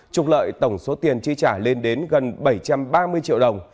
trục lợi tổng số tiền chi trả lên đến gần bảy trăm ba mươi triệu đồng